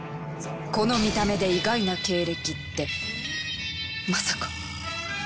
この見た目で意外な経歴ってまさか。